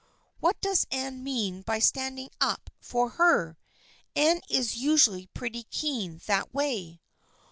" What does Anne mean by standing up for her? Anne is usually pretty keen that way."